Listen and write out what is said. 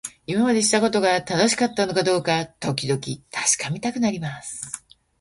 今までしてきたことが正しかったのかどうか、時々確かめたくなります。